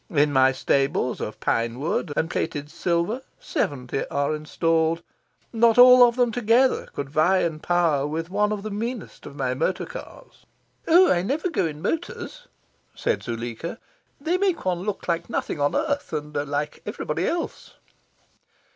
In my stables of pine wood and plated silver seventy are installed. Not all of them together could vie in power with one of the meanest of my motor cars." *Pronounced as Tacton. Pronounced as Tavvle Tacton. "Oh, I never go in motors," said Zuleika. "They make one look like nothing on earth, and like everybody else."